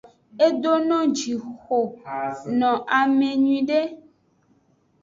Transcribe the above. Edono jixo noame nyuiede.